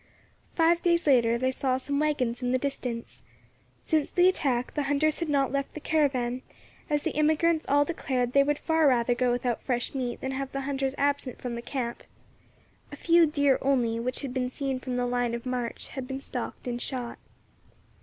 Five days later they saw some waggons in the distance. Since the attack the hunters had not left the caravan, as the emigrants all declared that they would far rather go without fresh meat than have the hunters absent from the camp. A few deer only, which had been seen from the line of march, had been stalked and shot.